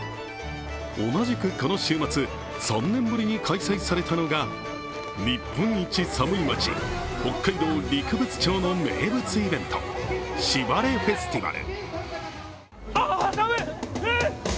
同じくこの週末、３年ぶりに開催されたのが日本一寒い町、北海道陸別町の名物イベント、しばれフェスティバル。